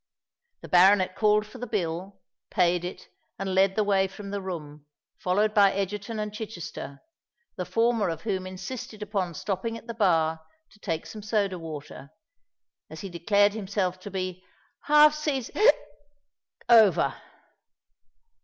The baronet called for the bill, paid it, and led the way from the room, followed by Egerton and Chichester, the former of whom insisted upon stopping at the bar to take some soda water, as he declared himself to be "half seas—hic—over."